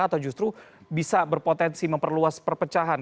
atau justru bisa berpotensi memperluas perpecahan